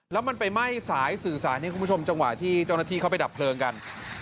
แล้วมันไปไหม้สายสื่อสารนี้คุณผู้ชมจังหวะที่เจ้าหน้าที่เข้าไปดับเพลิงกัน